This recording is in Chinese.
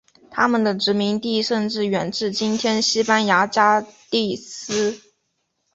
他们的殖民地甚至远至今天西班牙加的斯。